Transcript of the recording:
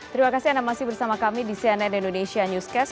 terima kasih anda masih bersama kami di cnn indonesia newscast